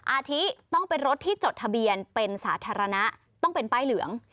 อาทิต้องเป็นรถที่จดทะเบียนเป็นสาธารณะต้องเป็นป้ายเหลือง